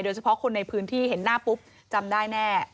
เฉพาะคนในพื้นที่เห็นหน้าปุ๊บจำได้แน่